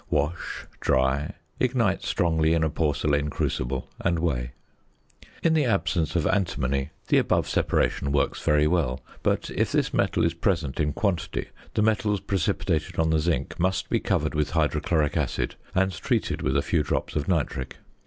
Wash, dry, ignite strongly in a porcelain crucible, and weigh. In the absence of antimony the above separation works very well, but if this metal is present in quantity the metals precipitated on the zinc must be covered with hydrochloric acid and treated with a few drops of nitric.